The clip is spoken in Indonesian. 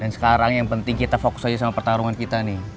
dan sekarang yang penting kita fokus aja sama pertarungan kita nih